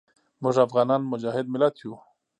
موږ افغانان مجاهد ملت یو.